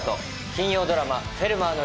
金曜ドラマ「フェルマーの料理」